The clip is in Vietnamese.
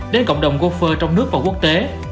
đến cộng đồng góp phơ trong nước và quốc tế